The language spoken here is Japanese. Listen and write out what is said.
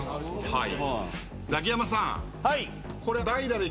はい。